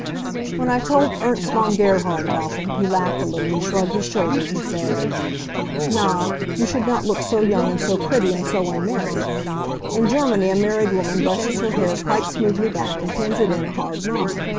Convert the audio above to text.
When I told Ernst von Gerhard about them, he laughed a little and shrugged his shoulders and said: "Na, you should not look so young, and so pretty, and so unmarried. In Germany a married woman brushes her hair quite smoothly back, and pins it in a hard knob.